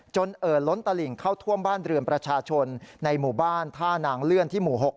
เอ่อล้นตลิ่งเข้าท่วมบ้านเรือนประชาชนในหมู่บ้านท่านางเลื่อนที่หมู่๖